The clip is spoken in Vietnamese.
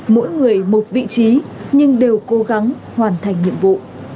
mỗi người một vị trí nhưng đều cố gắng hoàn thành nhiệm vụ